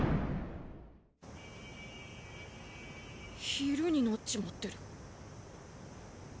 昼になっちまってる。